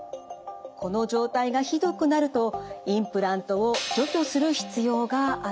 この状態がひどくなるとインプラントを除去する必要があるんです。